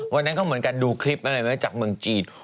วันนั้นก็เหมือนกันดูคลิปอะไรไว้จากเมืองจีน